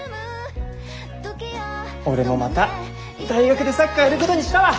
俺もまた大学でサッカーやることにしたわ。